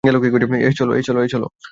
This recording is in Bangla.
এহ, চল।